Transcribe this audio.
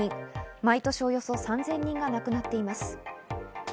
毎年およそ３０００人が亡くなっています。